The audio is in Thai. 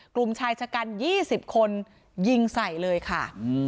กลุ่มชายชะกัน๒๐คนยิงใส่เลยค่ะ